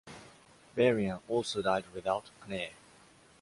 Burian also died without an heir.